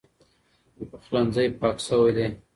پخلنځی پاک شوی دی.